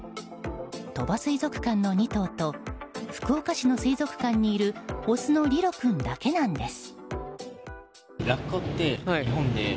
鳥羽水族館の２頭と福岡市の水族館にいるオスのリロ君だけなんです。